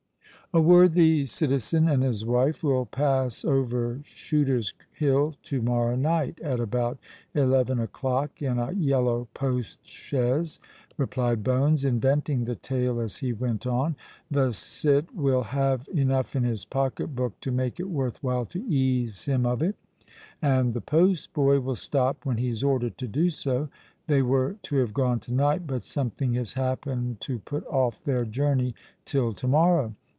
"A worthy citizen and his wife will pass over Shooter's Hill to morrow night, at about eleven o'clock, in a yellow post chaise," replied Bones, inventing the tale as he went on. "The cit will have enough in his pocket book to make it worth while to ease him of it; and the postboy will stop when he's ordered to do so. They were to have gone to night; but something has happened to put off their journey till to morrow."